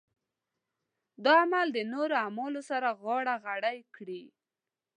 دا عمل د نورو اعمالو سره غاړه غړۍ کړي.